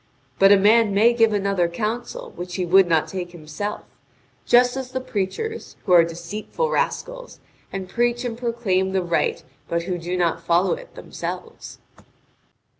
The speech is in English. But a man may give another counsel, which he would not take himself, just as the preachers, who are deceitful rascals, and preach and proclaim the right but who do not follow it themselves."